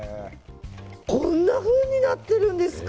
こんなふうになってるんですか。